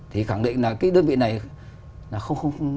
thì khẳng định là cái đơn vị này là không